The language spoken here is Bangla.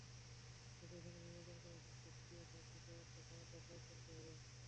একই সঙ্গে নির্বাচন কমিশনকে স্বীয় স্বার্থে প্রদত্ত ক্ষমতা প্রয়োগ করতে হবে।